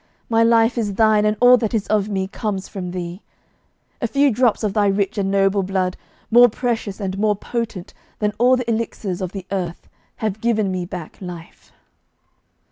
My life is thine, and all that is of me comes from thee. A few drops of thy rich and noble blood, more precious and more potent than all the elixirs of the earth, have given me back life.